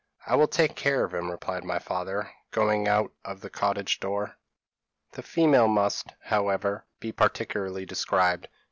'I will take care of him,' replied my father, going out of the cottage door. "The female must, however, be particularly described.